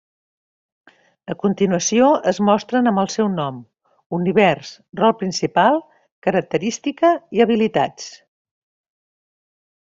A continuació es mostren amb el seu nom, univers, rol principal, característica i habilitats.